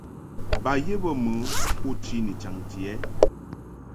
Ba ye bə mɨ u chi ni chaŋti ɛ ?